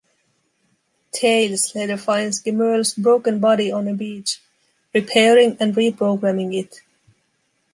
Tails later finds Gemerl's broken body on a beach, repairing and reprogramming it.